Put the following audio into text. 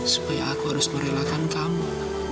supaya aku harus merelakan kamu